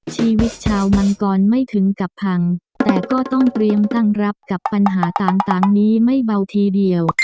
ชีวิตชาวมังกรไม่ถึงกับพังแต่ก็ต้องเตรียมตั้งรับกับปัญหาต่างนี้ไม่เบาทีเดียว